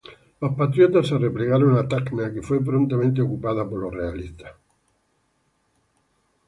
Los patriotas se replegaron a Tacna, que fue prontamente ocupada por los realistas.